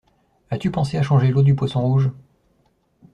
As-tu pensé à changer l'eau du poisson rouge?